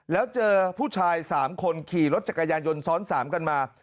แล้วเจอผู้ชาย๓คนขี่รถจักรยานยนต์ซ้อน๓กันมา